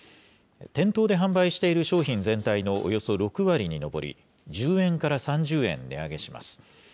店頭で販売している商品全体のおよそ６割に上り、１０円から３０円値上げします。